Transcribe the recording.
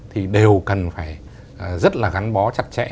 thì đều cần phải rất là gắn bó chặt chẽ